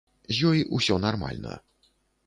З ёй усё нармальна.